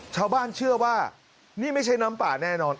ชาวบ้านเชื่อว่านี่ไม่ใช่น้ำป่าแน่นอน